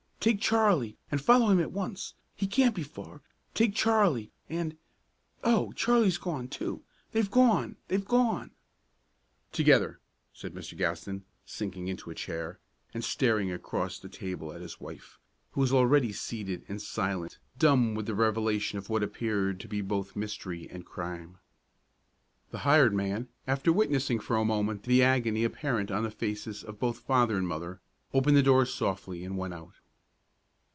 Take Charlie and follow him at once. He can't be far! Take Charlie and Oh! Charlie's gone, too they've gone, they've gone " "Together!" said Mr. Gaston, sinking into a chair, and staring across the table at his wife, who was already seated and silent, dumb with the revelation of what appeared to be both mystery and crime. The hired man, after witnessing for a moment the agony apparent on the faces of both father and mother, opened the door softly and went out.